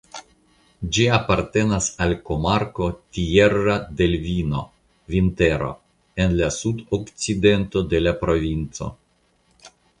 Ĝi apartenas al komarko "Tierra del Vino" (Vintero) en la sudokcidento de la provinco.